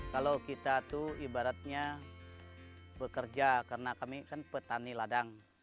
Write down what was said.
kalau kita tuh ibaratnya bekerja karena kami kan petani ladang